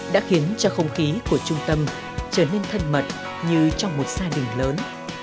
đã khiến cho không khí của trung tâm trở nên thân mật như trong một gia đình lớn